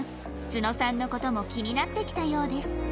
津野さんの事も気になってきたようです